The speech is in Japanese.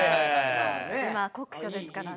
今酷暑ですからね。